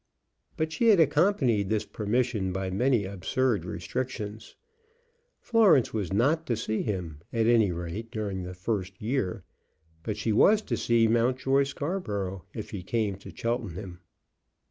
But she had accompanied this permission by many absurd restrictions. Florence was not to see him, at any rate, during the first year; but she was to see Mountjoy Scarborough if he came to Cheltenham.